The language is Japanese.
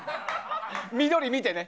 緑見てね。